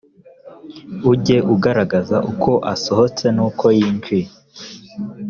ujye ugaragaza uko asohotse n’uko yinjiye